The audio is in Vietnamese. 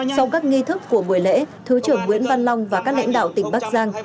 sau các nghi thức của buổi lễ thứ trưởng nguyễn văn long và các lãnh đạo tỉnh bắc giang